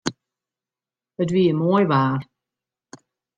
It wie moai waar.